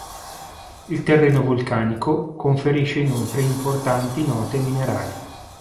Il terreno vulcanico conferisce inoltre importanti note minerali.